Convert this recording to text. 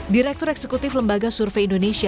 direktur eksekutif lembaga survei indonesia